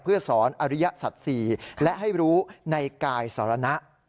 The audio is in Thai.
เพื่อสอนอริยสัตว์ศรีและให้รู้ในกายสรณะ